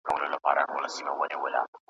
د پښتنو هر مشر ,